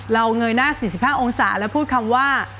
เงยหน้า๔๕องศาแล้วพูดคำว่า